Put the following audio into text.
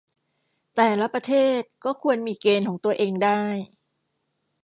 แต่ละประเทศก็ควรมีเกณฑ์ของตัวเองได้